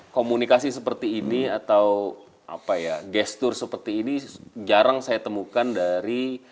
komunikasi seperti ini atau apa ya gestur seperti ini jarang saya temukan dari